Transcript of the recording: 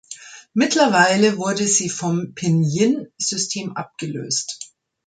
Mittlerweile wurde sie vom Pinyin-System abgelöst.